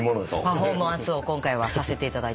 パフォーマンスを今回はさせていただいて。